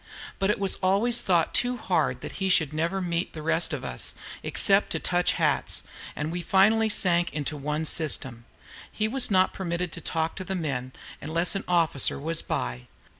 But it was always thought too hard that he should never meet the rest of us, except to touch hats, and we finally sank into one system. He was not permitted to talk with the men, unless an officer was by.